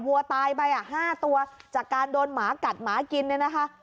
วัวตายไป๕ตัวจากการโดนหมากัดหมากินเนี่ยนะคะ